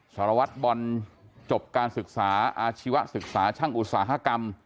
สารวัตรบอลจบการศึกษาอาชีวศึกษาช่างอุตสาหกรรม